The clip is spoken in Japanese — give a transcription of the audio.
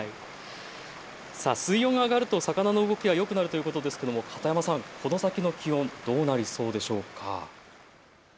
水温が上がると魚の動きがよくなるということですが片山さん、この先の気温どうなりそうですか。